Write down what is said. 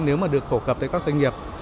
nếu mà được phổ cập tới các doanh nghiệp